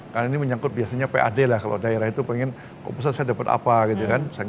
karena ini menyangkut biasanya pad lah kalau daerah itu pengen kok pusat saya dapat apa gitu kan